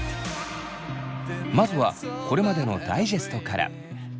まずはこれまでのダイジェストから。